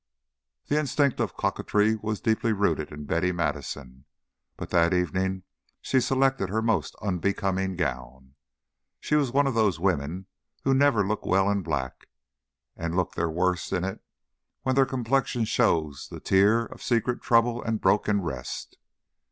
The instinct of coquetry was deeply rooted in Betty Madison, but that evening she selected her most unbecoming gown. She was one of those women who never look well in black, and look their worst in it when their complexion shows the tear of secret trouble and broken rest.